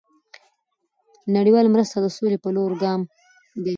دเงินบาทไทย نړیوال مرسته د سولې په لور ګام دی.